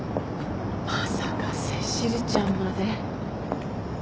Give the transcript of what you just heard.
まさかセシルちゃんまで。